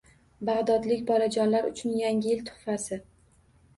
Bag‘dodlik bolajonlar uchun yangi yil tuhfasi